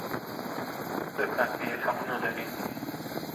د کاپي حق نه لري.